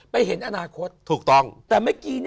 เป็นยังไง